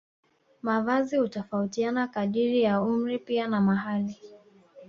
Mavazi hutofautiana kadiri ya umri na pia na mahali